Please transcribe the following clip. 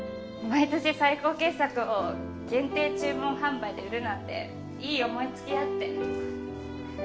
毎年最高傑作を限定注文販売で売るなんていい思いつきやって。